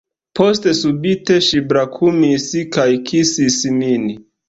Poste subite ŝi brakumis kaj kisis min.